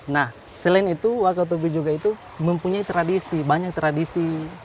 nah selain itu wakatobi juga itu mempunyai tradisi banyak tradisi